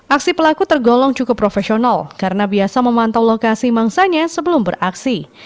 aksi pelaku tergolong cukup profesional karena biasa memantau lokasi mangsanya sebelum beraksi